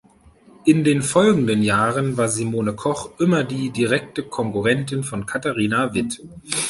In den folgenden Jahren war Simone Koch immer direkte Konkurrentin von Katarina Witt.